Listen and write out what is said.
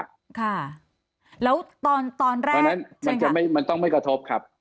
ค่ะแล้วตอนแรกมันต้องไม่กระทบครับ